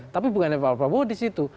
tapi bukannya pak prabowo di situ